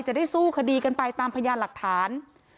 จะได้สู้คดีกันไปตามพยานหลักฐาน